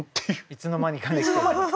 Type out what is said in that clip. いつの間にかできてる。